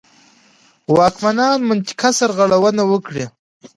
واکمنان منطقه سرغړونه وکړي.